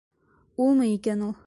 Улмы икән ни?